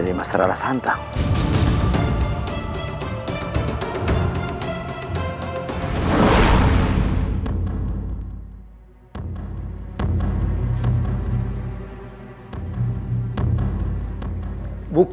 kerak di landak